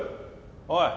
おい！